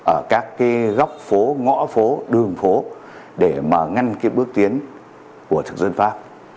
ở các góc phố ngõ phố đường phố để ngăn bước tiến của thực dân pháp